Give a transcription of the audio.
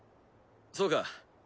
そうか。